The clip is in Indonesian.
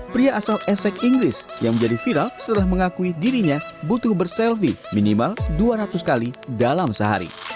pria asal esek inggris yang menjadi viral setelah mengakui dirinya butuh berselfie minimal dua ratus kali dalam sehari